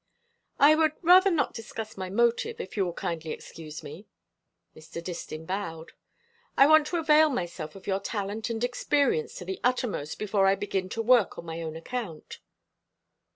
"I would rather not discuss my motive, if you will kindly excuse me." Mr. Distin bowed. "I want to avail myself of your talent and experience to the uttermost before I begin to work on my own account."